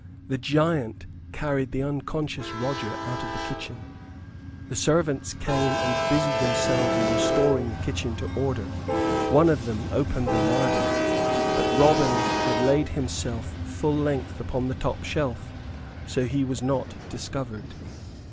The giant carried the unconscious Roger out of the kitchen. The servants came and busied themselves in restoring the kitchen to order. One of them opened the larder; but Robin had laid himself full length upon the top shelf. So he was not discovered.